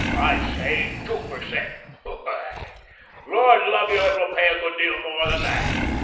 I say two per cent. Why, Lord love you, it will pay a good deal more than that.